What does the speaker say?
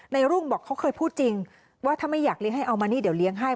รุ่งบอกเขาเคยพูดจริงว่าถ้าไม่อยากเลี้ยงให้เอามานี่เดี๋ยวเลี้ยงให้